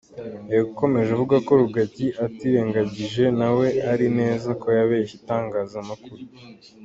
Yakomeje avuga ko Rugagi atirengagije nawe azi neza ko yabeshye itangazamakuru.